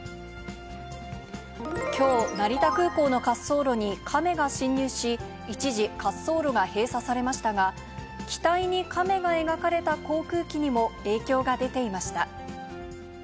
きょう、成田空港の滑走路にカメが侵入し、一時、滑走路が閉鎖されましたが、機体にカメが描かれた航空機にも影響が出ていました。